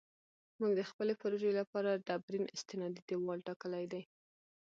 موږ د خپلې پروژې لپاره ډبرین استنادي دیوال ټاکلی دی